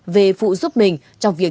về phụ giúp mình trong việc